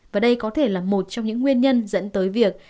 và đây có thể là một trong những nguyên nhân dẫn tới việc